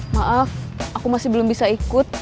maaf aku masih belum bisa ikut